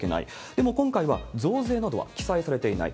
でも、今回は増税などは記載されていない。